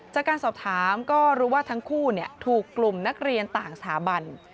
จากการสอบถามก็รู้ว่าทั้งคู่ถูกกลุ่มนักเรียนต่างสถาบัน